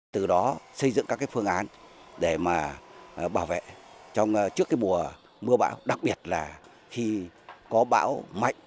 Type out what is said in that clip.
từ đó xây dựng các phương án để bảo vệ trước mùa mưa bão đặc biệt là khi có bão mạnh